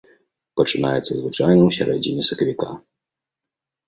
Пачынаецца звычайна ў сярэдзіне сакавіка.